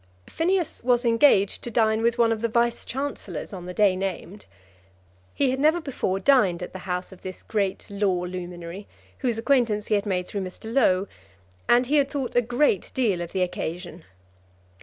Phineas was engaged to dine with one of the Vice Chancellors on the day named. He had never before dined at the house of this great law luminary, whose acquaintance he had made through Mr. Low, and he had thought a great deal of the occasion.